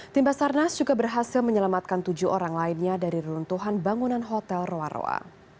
tim basarnas juga berhasil menyelamatkan tujuh orang lainnya dari reruntuhan bangunan hotel roa roa